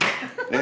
え？